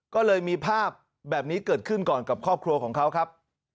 ก็เลยมีภาพแบบนี้เกิดขึ้นก่อนกับครอบครัวของเขาครับ